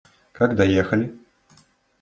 Как доехали?